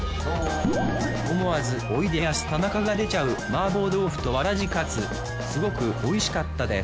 思わずおいでやす田中が出ちゃう麻婆豆腐とわらじかつすごくおいしかったです